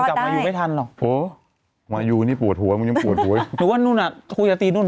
ฉันไม่เอาตอนนี้ต้องอยู่ด้านลูกตลอด